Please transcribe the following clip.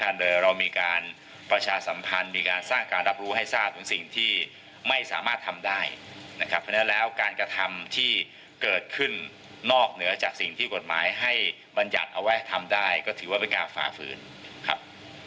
เพราะฉะนั้นแล้วการกระทำที่เกิดขึ้นนอกเหนือจากสิ่งที่กฎหมายให้บรรยัติเอาไว้ทำได้ก็ถือว่าเป็นการฝ่าฝืนครับ